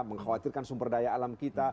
mengkhawatirkan sumber daya alam kita